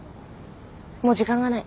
もう時間がない。